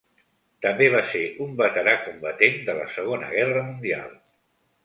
També va ser un veterà combatent de la Segona Guerra Mundial.